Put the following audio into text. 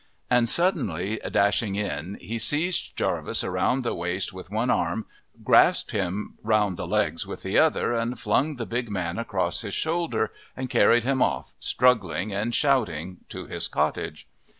And suddenly dashing in he seized Jarvis round the waist with one arm, grasped him round the legs with the other, and flung the big man across his shoulder, and carried him off, struggling and shouting, to his cottage.